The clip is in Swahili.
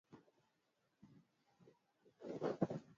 Gina alikuwa mwanamke kamili